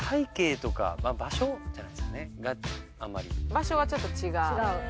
場所がちょっと違う。